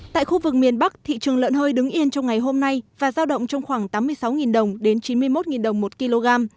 tại khu vực miền bắc thị trường lợn hơi đứng yên trong ngày hôm nay và giao động trong khoảng tám mươi sáu đồng đến chín mươi một đồng một kg